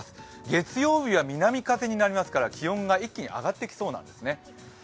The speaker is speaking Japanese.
月曜日は南風になりますから気温が一気に上がってきそうなんですね。